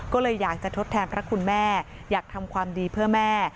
ก็เลยอยากจะทดแทนพระคุณแม่อยากทำความดีเพื่อแม่